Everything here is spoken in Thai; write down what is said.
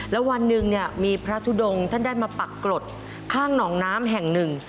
แล้ววันหนึ่งมีพระทุดงท่านได้มาปักกรดข้างหนองน้ำแห่งหนึ่ง